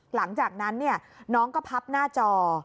หลังจากนั้นน้องก็พับหน้าจอ